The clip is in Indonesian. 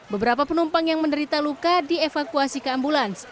beberapa penumpang yang menderita luka dievakuasi ke ambulans